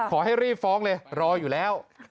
ขอให้รีบฟ้องเลยรออยู่แล้ว